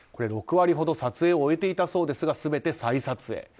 ６割ほど撮影を終えていたそうですが全て再撮影。